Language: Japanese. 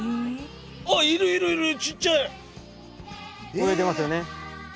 泳いでますよね。